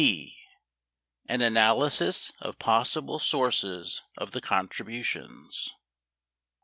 9 B. An Analysis of Possible Sources of the Contributions 1.